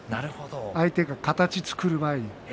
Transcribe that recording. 相手が形を作る前に。